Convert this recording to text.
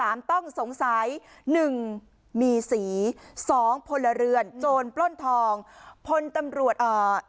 ต้องสงสัยหนึ่งมีสีสองพลเรือนโจรปล้นทองพลตำรวจเอ่อ